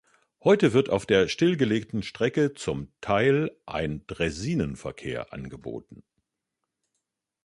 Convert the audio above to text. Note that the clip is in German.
Heute wird auf der stillgelegten Strecke zum Teil ein Draisinenverkehr angeboten.